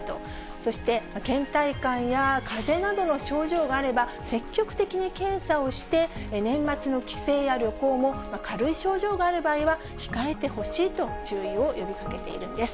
そしてけん怠感やかぜなどの症状があれば、積極的に検査をして、年末の帰省や旅行も軽い症状がある場合は、控えてほしいと注意を呼びかけているんです。